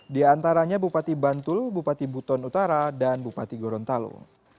di antaranya bupati bantul bupati buton utara dan bupati gorontalo